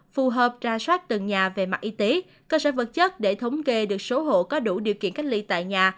phù hợp ra soát từng nhà về mặt y tế cơ sở vật chất để thống kê được số hộ có đủ điều kiện cách ly tại nhà